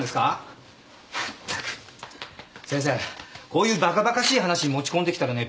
こういうバカバカしい話持ち込んできたらね